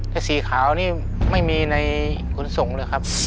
แต่สีขาวนี่ไม่มีในขนส่งเลยครับ